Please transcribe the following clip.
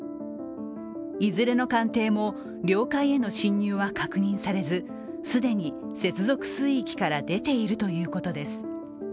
いずれの艦艇も領海への侵入は確認されず既に接続水域から出ているということです。